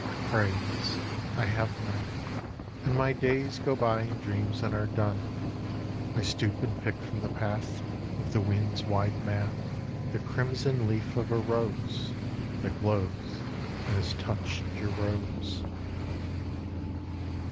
Praise I have none, And my days Go by in dreams and are done, I stoop and pick from the path Of the Wind's wide math The crimson leaf of a rose That glows and has touched your robes.